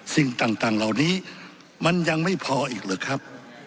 สิ่งต่างเหล่านี้มันยังไม่พออีกหรือครับ